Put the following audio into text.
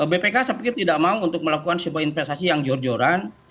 bpk seperti tidak mau untuk melakukan sebuah investasi yang jor joran